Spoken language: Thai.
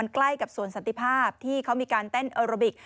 ใกล้กับสวนสันติภาพที่เขามีการเต้นเออโรบิก